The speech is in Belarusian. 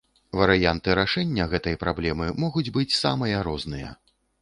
Варыянты рашэння гэтай праблемы могуць быць самыя розныя.